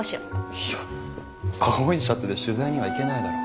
いや青いシャツで取材には行けないだろ。